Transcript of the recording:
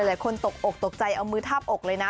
หลายคนตกอกตกใจเอามือทับอกเลยนะ